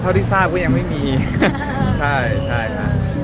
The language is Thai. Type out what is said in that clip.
เอ่อเท่าที่ที่ทราบก็ยังไม่มีใช่ครับ